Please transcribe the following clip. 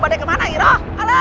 bapak ada dimana